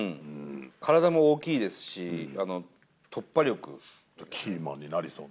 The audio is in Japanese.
体も大きいですし、キーマンになりそうな。